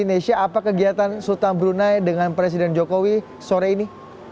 nesha apa kegiatan sultan brunei dengan presiden jokowi sore ini